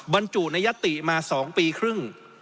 บรรจุในยติมา๒ปีครึ่ง